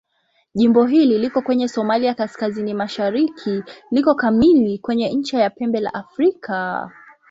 Jimbo hili liko kwenye Somalia kaskazini-mashariki liko kamili kwenye ncha ya Pembe la Afrika.